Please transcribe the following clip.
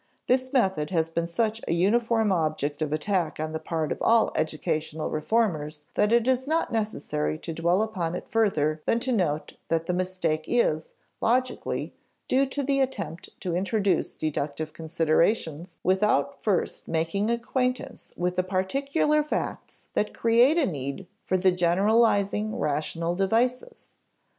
This method has been such a uniform object of attack on the part of all educational reformers that it is not necessary to dwell upon it further than to note that the mistake is, logically, due to the attempt to introduce deductive considerations without first making acquaintance with the particular facts that create a need for the generalizing rational devices.